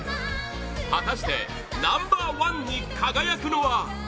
果たしてナンバー１に輝くのは？